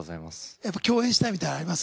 やっぱ共演したいみたいなのあります？